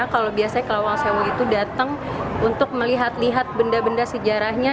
kalau biasanya kerawang sewu itu datang untuk melihat lihat benda benda sejarahnya